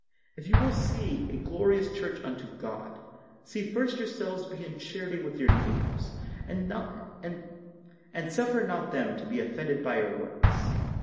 If you will build a glorious church unto bod, see first yourselves to be in charity with your neighbors, and suffer not them to be offended by your works.